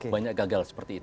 banyak gagal seperti itu